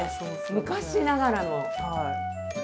昔ながらの。